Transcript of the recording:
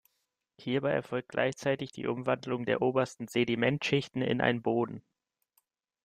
Hierbei erfolgt gleichzeitig die Umwandlung der obersten Sedimentschichten in einen Boden.